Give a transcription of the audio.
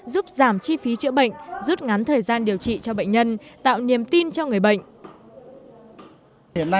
giúp giảm chi phí chữa bệnh rút ngắn thời gian điều trị cho bệnh nhân tạo niềm tin cho người bệnh